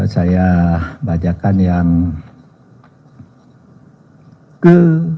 saya bacakan yang ke